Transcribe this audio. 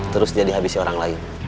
terus dia dihabisi orang lain